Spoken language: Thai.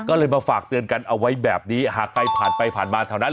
ก็เลยมาฝากเตือนกันเอาไว้แบบนี้หากใครผ่านไปผ่านมาแถวนั้น